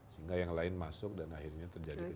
sehingga yang lain masuk dan akhirnya terjadi